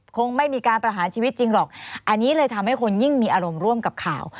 คงไม่มีการประหารชีวิตจริงหรอกอันนี้เลยทำให้คนยิ่งมีอารมณ์ร่วมกับข่าว